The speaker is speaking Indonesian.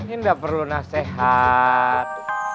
ini gak perlu nasihat